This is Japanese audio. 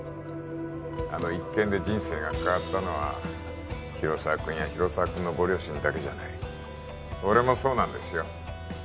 あの一件で人生が変わったのは広沢君や広沢君のご両親だけじゃない俺もそうなんですよ